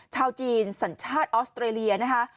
ชาวจีนสัญชาติออสเตรเลียนะคะ